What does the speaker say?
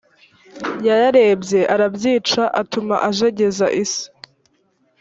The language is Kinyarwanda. yararebye arabyica atuma ajegeza isi